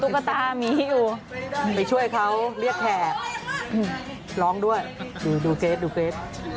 ก็ตามีอยู่ไปช่วยเขาเรียกแขกร้องด้วยดูเกรสดูเกรส